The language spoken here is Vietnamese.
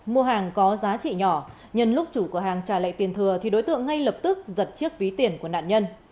mua hàng có giá trị nhỏ nhân lúc chủ cửa hàng trả lại tiền thừa thì đối tượng ngay lập tức giật chiếc ví tiền của nạn nhân